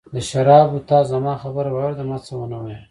د شرابو، تا زما خبره واورېده، ما څه ونه ویل.